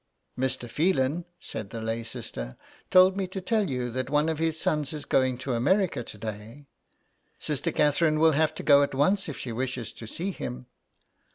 ''" Mr. Phelan," said the lay sister, '' told me to tell you that one of his sons is going to America to day. Sister Catherine will have to go at once if she wishes to see him."